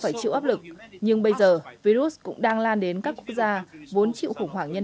phải chịu áp lực nhưng bây giờ virus cũng đang lan đến các quốc gia vốn chịu khủng hoảng nhân